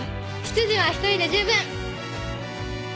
執事は１人で十分。